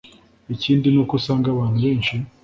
ikindi, n'uko usanga abantu benshi